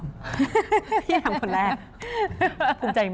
หมดคอนเสิร์ตแล้วร้องคนเดียวเป็นหลักเนี่ย